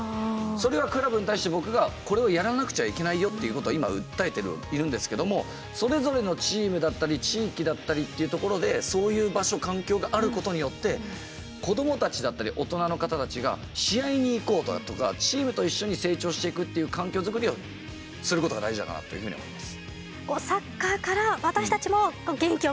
それがクラブに対して僕がこれをやらなくちゃいけないよっていうことは今訴えているんですけどもそれぞれのチームだったり地域だったりっていうところでそういう場所環境があることによって子供たちだったり大人の方たちが試合に行こうだとかチームと一緒に成長していくっていう環境づくりをすることが大事だなというふうに思います。